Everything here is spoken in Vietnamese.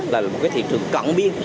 là một thị trường cận biên